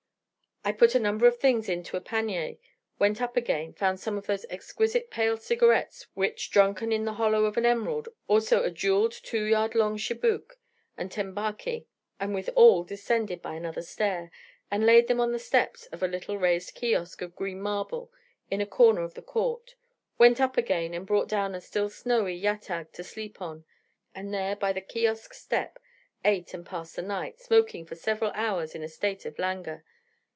I put a number of things into a pannier, went up again, found some of those exquisite pale cigarettes which drunken in the hollow of an emerald, also a jewelled two yard long chibouque, and tembaki: and with all descended by another stair, and laid them on the steps of a little raised kiosk of green marble in a corner of the court; went up again, and brought down a still snowy yatag to sleep on; and there, by the kiosk step, ate and passed the night, smoking for several hours in a state of languor.